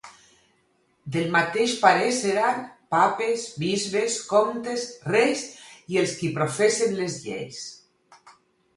Del mateix parer seran papes, bisbes, comtes, reis, i els qui professen les lleis.